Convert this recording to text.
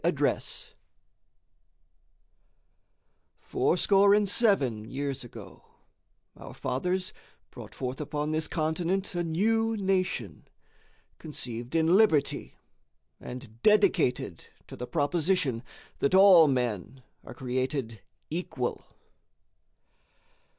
November 19, 1863_ Fourscore and seven years ago our fathers brought forth upon this continent a new nation, conceived in liberty, and dedicated to the proposition that all men are created equal.